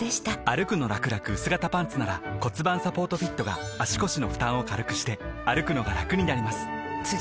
「歩くのらくらくうす型パンツ」なら盤サポートフィットが足腰の負担を軽くしてくのがラクになります覆个△